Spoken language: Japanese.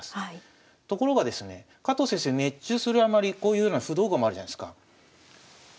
ところがですね加藤先生熱中するあまりこういうような不動駒あるじゃないですか。